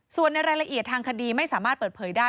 ส่วนในรายละเอียดทางคดีไม่สามารถเปิดเผยได้